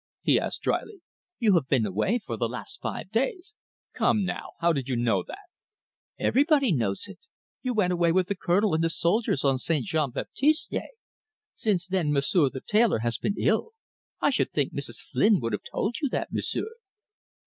he asked drily. "You have been away for the last five days " "Come, now, how did you know that?" "Everybody knows it. You went away with the Colonel and the soldiers on St. Jean Baptiste's day. Since then M'sieu' the tailor has been ill. I should think Mrs. Flynn would have told you that, M'sieu'."